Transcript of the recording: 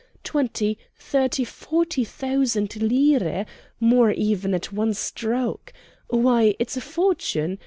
Twenty, thirty, forty thousand lire, more, even, at one stroke; why, it's a fortune!